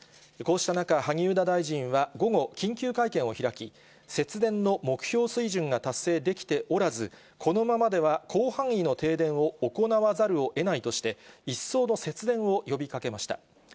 こうした中、萩生田大臣は午後、緊急会見を開き、節電の目標水準が達成できておらず、このままでは広範囲の停電を行わざるをえないとして、一層の節電を呼びかけました。